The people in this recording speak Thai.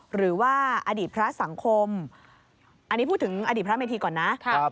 หรือว่าอดีตพระสังคมอันนี้พูดถึงอดีตพระเมธีก่อนนะ